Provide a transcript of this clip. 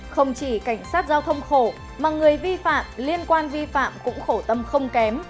không chỉ cảnh sát giao thông khổ mà người vi phạm liên quan vi phạm cũng khổ tâm không kém